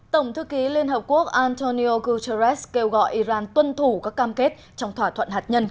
tổng thư ký liên hợp quốc antonio guterres kêu gọi iran tuân thủ các cam kết trong thỏa thuận hạt nhân